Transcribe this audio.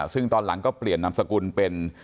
ซึ่งตอนหลังก็เปลี่ยนนามสกุลเป็น